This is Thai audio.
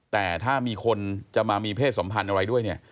แต่ถ้ามีคนจะมามีเพศสัมพันธ์อะไรด้วยเนี่ย